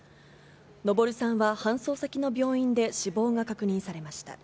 登さんは搬送先の病院で死亡が確認されました。